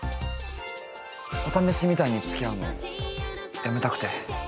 お試しみたいにつきあうのやめたくて。